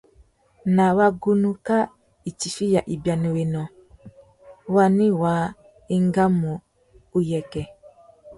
Ná wagunú kā itifiya ibianéwénô, wani wá engamú uyêkê? .